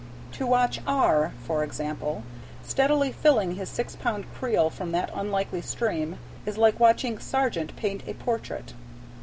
To watch R., for example, steadily filling his six pound creel from that unlikely stream, is like watching Sargent paint a portrait.